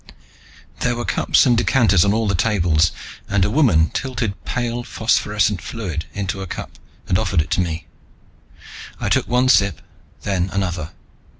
There were cups and decanters on all the tables, and a woman tilted pale, phosphorescent fluid into a cup and offered it to me. I took one sip, then another.